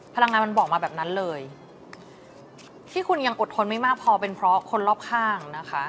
พลังงานมันบอกมาแบบนั้นเลยที่คุณยังอดทนไม่มากพอเป็นเพราะคนรอบข้างนะคะ